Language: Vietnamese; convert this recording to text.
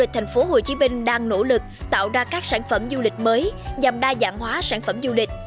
thành phố hồ chí minh đang nỗ lực tạo ra các sản phẩm du lịch mới nhằm đa dạng hóa sản phẩm du lịch